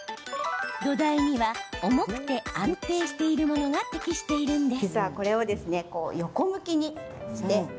土台には重くて安定しているものが適しているんです。